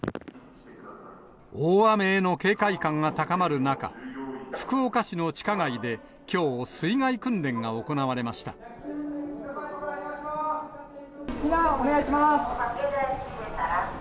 大雨への警戒感が高まる中、福岡市の地下街できょう、水害訓避難、お願いします。